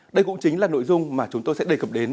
đây cũng chính là nội dung mà chúng tôi sẽ đề cập đến